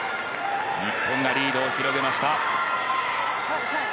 日本が、リードを広げました。